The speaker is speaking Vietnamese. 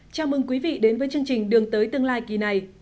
chào mừng quý vị đến với chương trình đường tới tương lai kỳ này